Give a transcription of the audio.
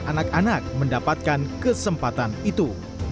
anak anak mendapatkan kesempatan itu